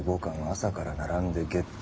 朝から並んでゲット。